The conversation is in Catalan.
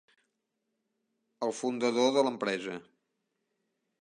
El fundador de l'empresa.